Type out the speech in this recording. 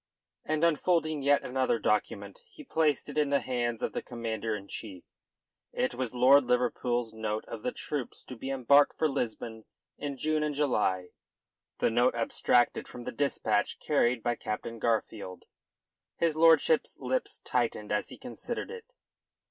And unfolding yet another document, he placed it in the hands of the Commander in Chief. It was Lord Liverpool's note of the troops to be embarked for Lisbon in June and July the note abstracted from the dispatch carried by Captain Garfield. His lordship's lips tightened as he considered it.